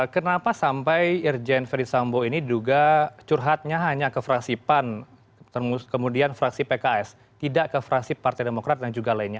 kenapa sampai irjen ferdisambo ini duga curhatnya hanya ke fraksi pan kemudian fraksi pks tidak ke fraksi partai demokrat dan juga lainnya